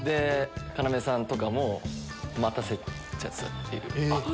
要さんとかも待たせちゃってたっていう。